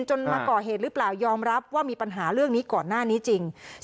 จนมาก่อเหตุหรือเปล่ายอมรับว่ามีปัญหาเรื่องนี้ก่อนหน้านี้จริง